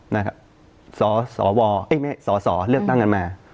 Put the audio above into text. นะครับสอสอวเอ๊ะไม่สอสอเลือกตั้งกันมา